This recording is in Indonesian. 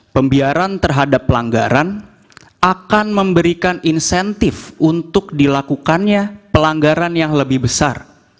pembiaran terhadap pelanggaran akan memberikan insentif untuk dilakukannya pelanggaran yang lebih besar